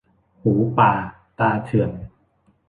หูป่าตาเถื่อน